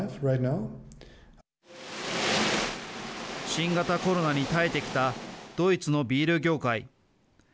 新型コロナに耐えてきたドイツのビール業界。